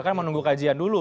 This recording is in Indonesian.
bahkan menunggu kajian dulu